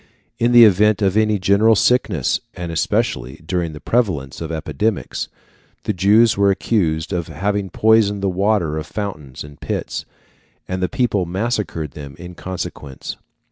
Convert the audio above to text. In the event of any general sickness, and especially during the prevalence of epidemics, the Jews were accused of having poisoned the water of fountains and pits, and the people massacred them in consequence.